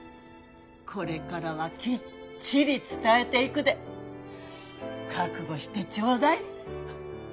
これからはきっちり伝えていくで覚悟してちょうだい。